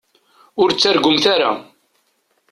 Ur ttargumt ara.